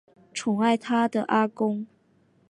宠爱她的阿公